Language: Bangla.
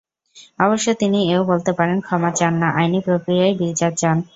অবশ্য তিনি এ-ও বলতে পারেন, ক্ষমা চান না, আইনি প্রক্রিয়ায় বিচার চান।